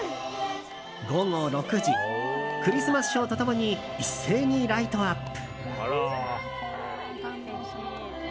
午後６時クリスマスショーと共に一斉にライトアップ。